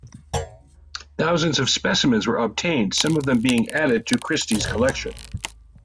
Thousands of specimens were obtained, some of them being added to Christy's collection.